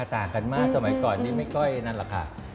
ต่างกันมากสมัยก่อนนี้ไม่ค่อยนั่นแหละค่ะ